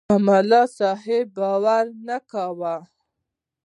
په ملاصاحب باور نه کاوه.